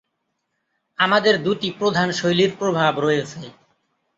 আমাদের দুটি প্রধান শৈলীর প্রভাব রয়েছে।